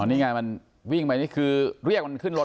นี่ไงมันวิ่งไปนี่คือเรียกมันขึ้นรถ